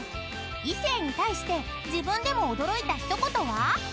［異性に対して自分でも驚いた一言は？］